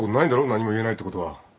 何も言えないってことは。